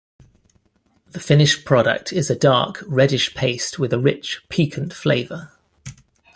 The finished product is a dark, reddish paste with a rich, piquant flavor.